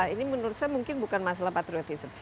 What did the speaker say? ini menurut saya mungkin bukan masalah patriotisme